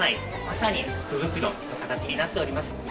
まさに福袋という形になっております。